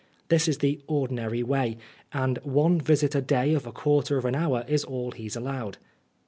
This is the ordinary way, and one visit a day of a quarter of an hour is all he is allowed.